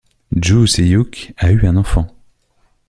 Joo Se-Hyuk a eu un enfant.